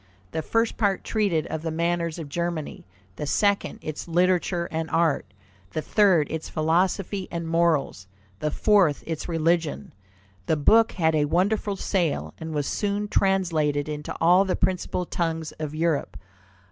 The first part treated of the manners of Germany; the second, its literature and art; the third, its philosophy and morals; the fourth, its religion. The book had a wonderful sale, and was soon translated into all the principal tongues of Europe.